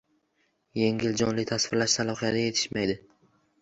Yengil, jonli tasvirlash salohiyati yetishmaydi